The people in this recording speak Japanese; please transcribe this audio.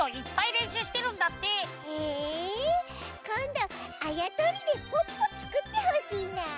へえこんどあやとりでポッポつくってほしいなあ。